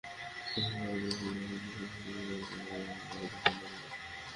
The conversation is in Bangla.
গুগলের করপোরেট রাজনৈতিক সংস্কৃতিকে ঠিকভাবে পরিচালনা করার জন্য অনেকে তাঁকে পছন্দ করেন।